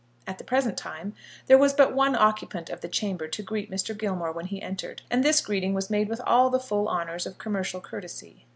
At the present time there was but one occupant of the chamber to greet Mr. Gilmore when he entered, and this greeting was made with all the full honours of commercial courtesy.